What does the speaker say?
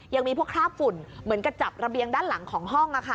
ยังมีพวกคราบฝุ่นเหมือนกับจับระเบียงด้านหลังของห้อง